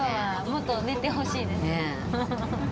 もっと寝てほしいです。ねえ。